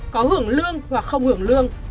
có hưởng lương hoặc không hưởng lương